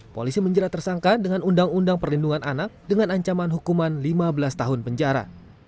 polisi menjerat tersangka dengan undang undang perlindungan anak dengan ancaman hukuman lima belas tahun penjara